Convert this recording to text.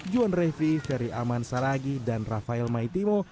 juan revi ferry aman saragi dan rafael maitimo